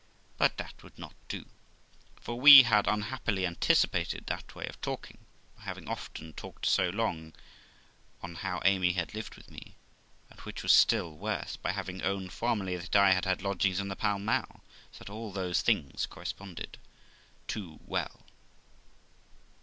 But that would not do, for we had unhappily anticipated that way of talking, by having often talked how long Amy had lived with me; and, which was still worse, by having owned formerly that I had had lodgings in the Pall Mall ; so that all those things corresponded too well.